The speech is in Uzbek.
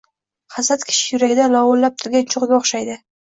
Hasad kishi yuragida lovullab turgan cho‘g‘ga o‘xshaydi.